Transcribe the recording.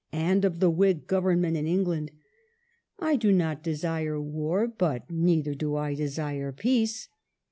and of the Whig Government in England. '* I do not desire war, but neither do I desire peace."